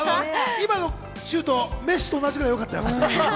今のシュート、メッシと同じぐらいよかったよ。